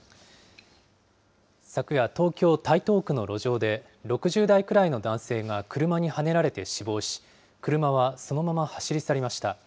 昨夜、東京・台東区の路上で、６０代くらいの男性が車にはねられて死亡し、車はそのまま走り去りました。